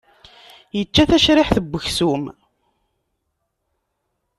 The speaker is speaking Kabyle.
Yečča tacriḥt n uksum.